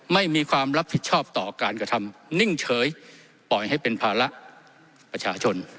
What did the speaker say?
ไม่มีความรับผิดชอบต่อการกระทำนิ่งเฉยปล่อยให้เป็นภาระประชาชน